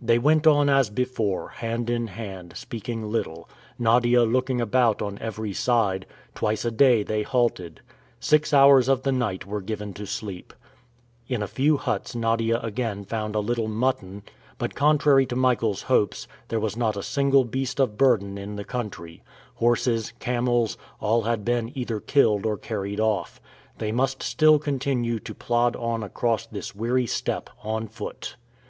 They went on as before, hand in hand, speaking little, Nadia looking about on every side; twice a day they halted. Six hours of the night were given to sleep. In a few huts Nadia again found a little mutton; but, contrary to Michael's hopes, there was not a single beast of burden in the country; horses, camels all had been either killed or carried off. They must still continue to plod on across this weary steppe on foot.